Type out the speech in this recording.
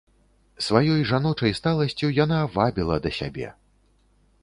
Сваёй жаночай сталасцю яна вабіла да сябе.